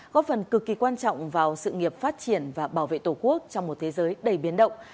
góp phần cực kỳ quan trọng vào sự nghiệp phát triển và bảo vệ tổ quốc trong một thế giới đầy biến động